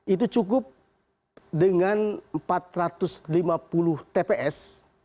itu cukup dengan empat ratus lima puluh tps